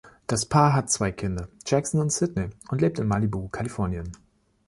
Das Paar hat zwei Kinder, Jackson und Sydney, und lebt in Malibu, Kalifornien.